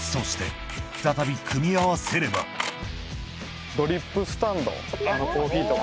そして再び組み合わせればドリップスタンドコーヒーとか。